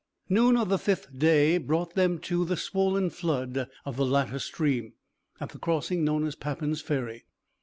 ] Noon of the fifth day brought them to the swollen flood of the latter stream, at the crossing known as Papin's Ferry.